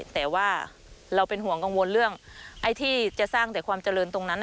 แต่ว่าเราเป็นห่วงกังวลเรื่องไอ้ที่จะสร้างแต่ความเจริญตรงนั้น